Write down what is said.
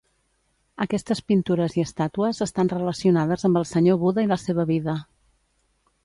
Aquestes pintures i estàtues estan relacionades amb el senyor Buda i la seva vida.